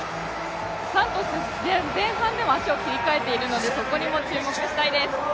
サントス選手、前半でも足を切り替えているのでそこにも注目したいです。